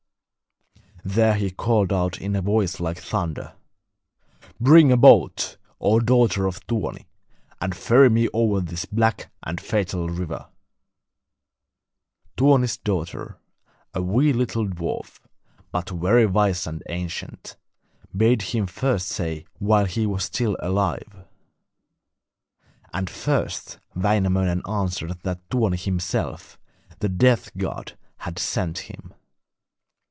There he called out in a voice like thunder: 'Bring a boat, O daughter of Tuoni, and ferry me over this black and fatal river.' Tuoni's daughter, a wee little dwarf, but very wise and ancient, bade him first say why he wished to come into the Deathland while he was still alive. And first Wainamoinen answered that Tuoni himself, the death god, had sent him.